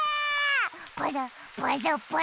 パラパラパラパラ。